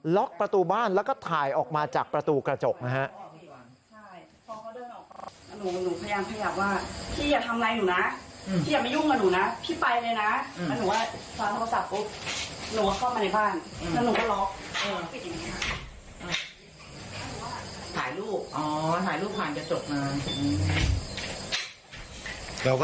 ล็อกประตูบ้านแล้วก็ถ่ายออกมาจากประตูกระจกนะฮะ